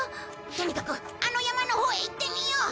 とにかくあの山のほうへ行ってみよう！